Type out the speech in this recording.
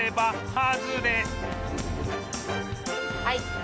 はい。